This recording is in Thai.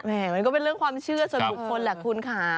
แหงก็เป็นความเชื่อสนุกคนละคุณคะ